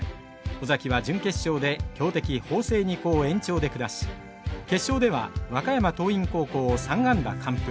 尾崎は、準決勝で強敵・法政二高を延長で下し決勝では和歌山・桐蔭高校を３安打完封。